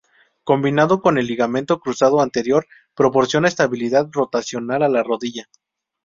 Combinado con el ligamento cruzado anterior, proporciona estabilidad rotacional a la rodilla.